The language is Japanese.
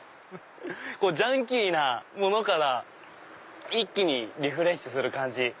ジャンキーなものから一気にリフレッシュする感じ。